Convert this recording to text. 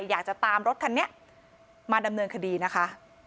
อยากจะตามรถคันนี้มาดำเนินคดีนะคะ